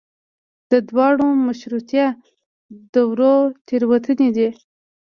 د دواړو مشروطیه دورو تېروتنې دي.